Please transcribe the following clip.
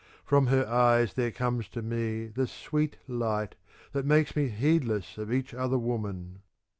From her eyes there comes to me the sweet light that makes me heedless of each other woman.